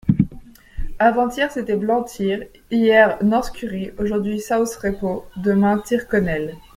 Avant-hier c’était Blantyre, hier Northcurry, aujourd’hui South-Reppo, demain Tyrconnel.